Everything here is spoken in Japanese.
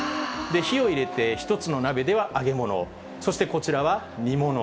火を入れて、１つの鍋では揚げ物を、そしてこちらは煮物。